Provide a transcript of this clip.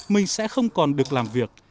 mình sẽ không còn được làm việc